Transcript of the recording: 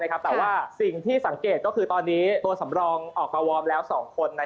แต่ว่าสิ่งที่สังเกตก็คือตอนนี้ตัวสำรองออกมาวอร์มแล้ว๒คน